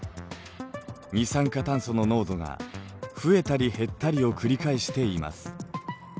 二酸化炭素の濃度が増えたり減ったりを繰り返しています。